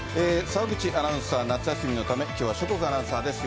澤口アナウンサー、夏休みのため、きょうは諸國アナウンサーです。